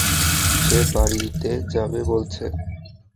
সে বাড়িতে যাবে বলছে।